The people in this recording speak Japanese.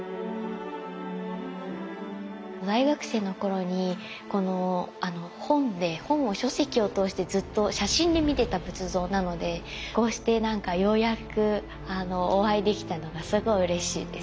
大学生の頃に本で書籍を通してずっと写真で見てた仏像なのでこうしてなんかようやくお会いできたのがすごいうれしいです。